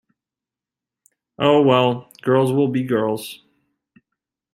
Oh, well, girls will be girls.